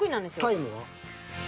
タイムは？